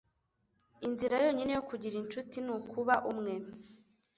Inzira yonyine yo kugira inshuti nukuba umwe.